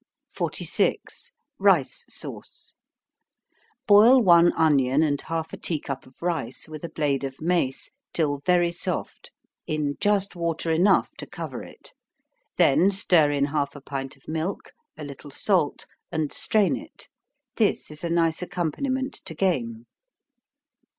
46. Rice Sauce. Boil one onion and half a tea cup of rice with a blade of mace, till very soft, in just water enough to cover it then stir in half a pint of milk, a little salt, and strain it. This is a nice accompaniment to game.